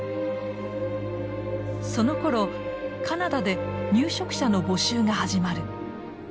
そのころカナダで入植者の募集が始まる。